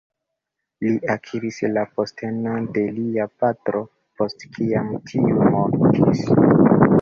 Li akiris la postenon de lia patro post kiam tiu mortis.